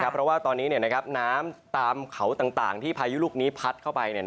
เพราะว่าตอนนี้น้ำตามเขาต่างที่พายุลูกนี้พัดเข้าไป